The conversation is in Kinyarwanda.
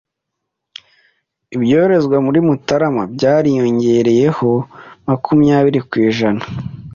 Ibyoherezwa muri Mutarama byaribyongereyeho makumyabiri kwijana.